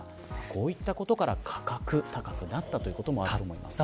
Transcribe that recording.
こういったことから価格が高くなったと思います。